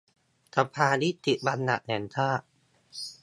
สภานิติบัญญัติแห่งชาติ